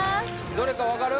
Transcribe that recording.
どれか分かる？